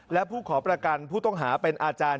และผู้ขอประกันผู้ต้องหาเป็นอาจารย์